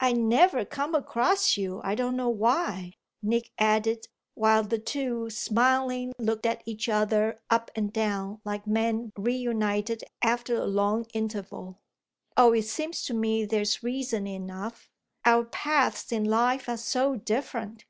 "I never come across you I don't know why," Nick added while the two, smiling, looked each other up and down like men reunited after a long interval. "Oh it seems to me there's reason enough: our paths in life are so different."